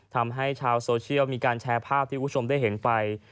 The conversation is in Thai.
ทำให้ชาวโซเชียลมีการแชร์ภาพที่คุณผู้ชมได้เห็นไป